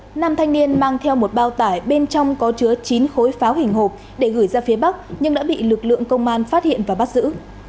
lợi dụng đêm khuya năm thanh niên mang theo một bao tải bên trong có chứa chín khối pháo hình hộp để gửi ra phía bắc nhưng đã bị lực lượng công an phát hiện và bắt giữ